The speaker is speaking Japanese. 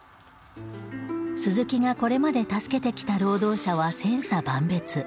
鈴木がこれまで助けてきた労働者は千差万別。